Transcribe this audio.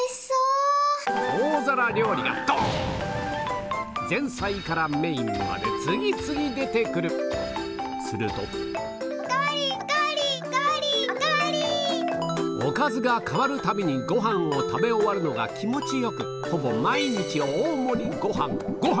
大皿料理が前菜からメインまで次々出て来るするとおかずが変わるたびにご飯を食べ終わるのが気持ち良く大盛りご飯５杯！